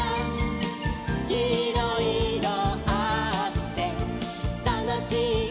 「いろいろあってたのしいかもね」